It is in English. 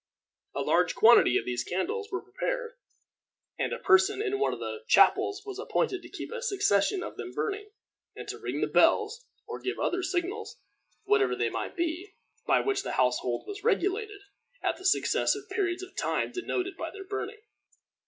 A large quantity of these candles were prepared, and a person in one of the chapels was appointed to keep a succession of them burning, and to ring the bells, or give the other signals, whatever they might be, by which the household was regulated, at the successive periods of time denoted by their burning.